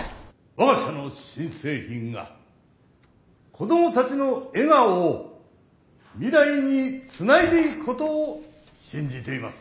我が社の新製品が子どもたちの笑顔を未来につないでいくことを信じています。